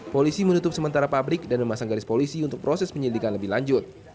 polisi menutup sementara pabrik dan memasang garis polisi untuk proses penyelidikan lebih lanjut